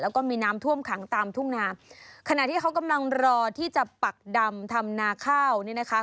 แล้วก็มีน้ำท่วมขังตามทุ่งนาขณะที่เขากำลังรอที่จะปักดำทำนาข้าวนี่นะคะ